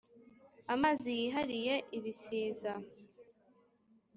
Amazi yihariye ibisiza,